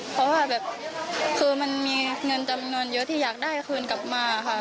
เพราะว่าแบบคือมันมีเงินจำนวนเยอะที่อยากได้คืนกลับมาค่ะ